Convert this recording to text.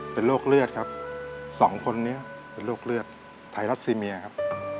เป็นโรคเลือดครับสองคนนี้เป็นโรคเลือดไทรัสซีเมียครับ